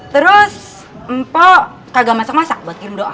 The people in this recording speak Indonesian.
terus mpok kagak masak masak buat ngirim doa